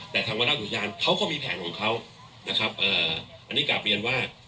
แต่ทางวรรณอุทยานเขาก็มีแผนของเขานะครับเอ่ออันนี้กลับเรียนว่า